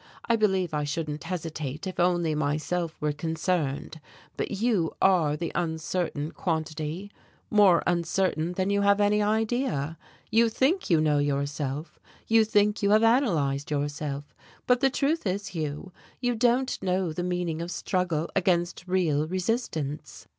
I believe I shouldn't hesitate if only myself were concerned, but you are the uncertain quantity more uncertain than you have any idea; you think you know yourself, you think you have analyzed yourself, but the truth is, Hugh, you don't know the meaning of struggle against real resistance."